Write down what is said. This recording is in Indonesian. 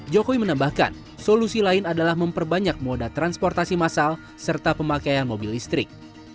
jokowi menambahkan solusi lain adalah memperbanyak moda transportasi masal serta pemakaian mobil listrik